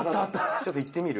ちょっと行ってみる？